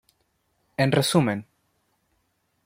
En resumen.